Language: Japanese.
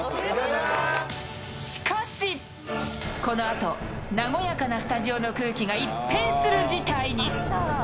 しかしこのあと、和やかなスタジオの空気が一変する事態に。